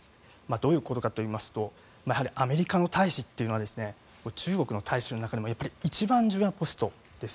どういうことかといいますとアメリカの大使というのは中国の大使の中でも一番重要なポストです。